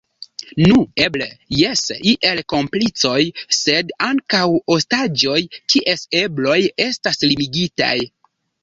Nu, eble jes, iel komplicoj sed ankaŭ ostaĝoj kies ebloj estas limigitaj.